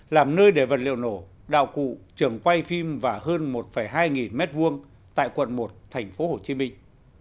thứ đề vật liệu nổ đạo cụ trường quay phim và hơn một hai nghìn m hai tại quận một thành phố hồ chí minh